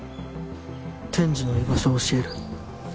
天智の居場所を教える。